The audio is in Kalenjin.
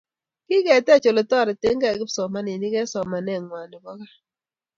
Kiketech oletoretekei kipsomaninik eng somanet ngwai nebo gaa